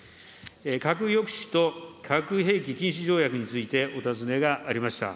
核抑止と核兵器禁止条約についてお尋ねがありました。